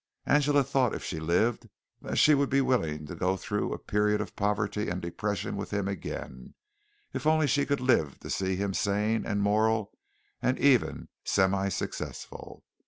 Angela thought if she lived that she would be willing to go through a period of poverty and depression with him again, if only she could live to see him sane and moral and even semi successful.